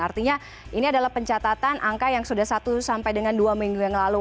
artinya ini adalah pencatatan angka yang sudah satu sampai dengan dua minggu yang lalu